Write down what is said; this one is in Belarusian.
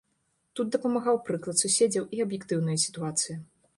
Тут дапамагаў прыклад суседзяў і аб'ектыўная сітуацыя.